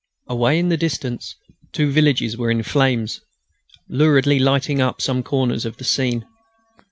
Away in the distance two villages were in flames, luridly lighting up some corners of the scene.